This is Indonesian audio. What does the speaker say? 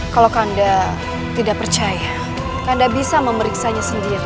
kalau kanda tidak percaya kanda bisa memeriksanya sendiri